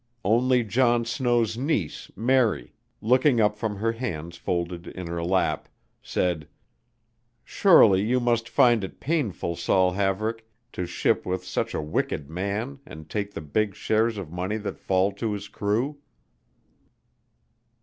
Only John Snow's niece, Mary, looking up from her hands folded in her lap, said: "Surely you must find it painful, Saul Haverick, to ship with such a wicked man and take the big shares of money that fall to his crew?"